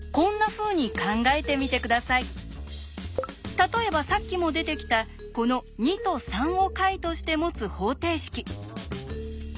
例えばさっきも出てきたこの２と３を解として持つ方程式。